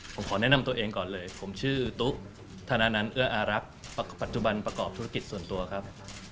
ผมขอแนะนำตัวเองก่อนเลยผมชื่อตุ๊กธนันเอื้ออารักษ์ปัจจุบันประกอบธุรกิจส่วนตัวครับ